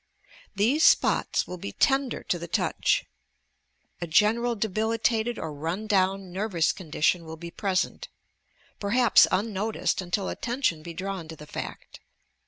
These spots will be tender to the touch. A general debilitated or run down nervous condition will be present, — perhaps unno ticed until attention be drawn to the fact.